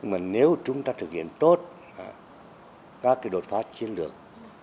mà nếu chúng ta thực hiện tốt các đột phá chiến lược